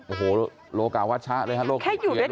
โอ้โฮโลกาวัชชะเลยฮะโลกของเกียรติว่า